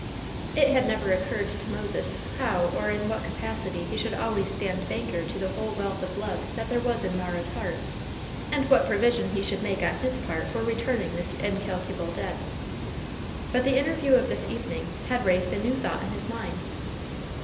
It had never occurred to Moses how or in what capacity he should always stand banker to the whole wealth of love that there was in Mara's heart, and what provision he should make on his part for returning this incalculable debt. But the interview of this evening had raised a new thought in his mind.